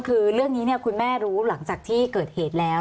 คือเรื่องนี้คุณแม่รู้หลังจากที่เกิดเหตุแล้ว